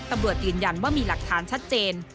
ตำรวจยืนยันว่ามีหลักฐานชัดเจน